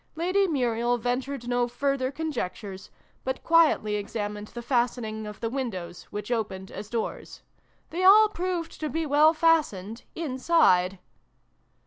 Lady Muriel ventured no further conjectures, but quietly examined the fastenings of the windows, which opened as doors. They all proved to be well fastened, inside.